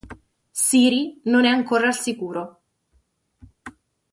Ciri non è ancora al sicuro.